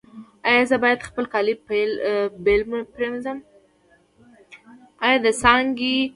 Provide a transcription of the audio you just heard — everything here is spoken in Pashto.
ایا زه باید خپل کالي بیل پریمنځم؟